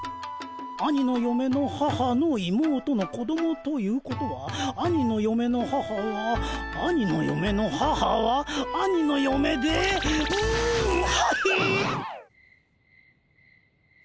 兄のよめの母の妹の子供ということは兄のよめの母は兄のよめの母は兄のよめでうむはひ！